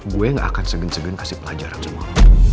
gue gak akan segen segen kasih pelajaran sama lo